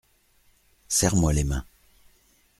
Serre-moi les mains !